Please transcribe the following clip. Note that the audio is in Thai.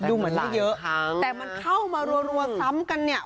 ดูเหมือนไม่เยอะแต่มันเข้ามารัวซ้ำกันเนี่ย